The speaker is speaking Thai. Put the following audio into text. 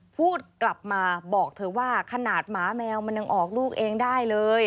พูดกลับมาบอกเธอว่าขนาดหมาแมวมันยังออกลูกเองได้เลย